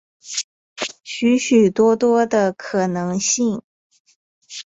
许许多多的可能性